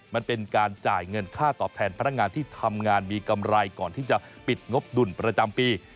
มันเป็นการจ่ายเงินค่าตอบแทนพนักงานที่ทำงานมีกำไรก่อนที่จะปิดงบดุลประจำปี